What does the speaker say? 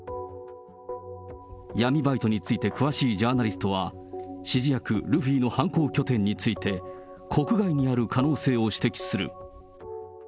闇バイトについて詳しいジャーナリストは、指示役、ルフィの犯行拠点について、国外にある可能性を指摘する。